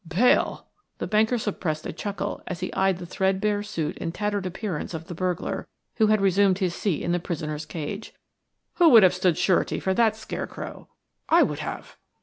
"Bail!" The banker suppressed a chuckle as he eyed the threadbare suit and tattered appearance of the burglar, who had resumed his seat in the prisoner's cage. "Who would have stood surety for that scarecrow?" "I would have."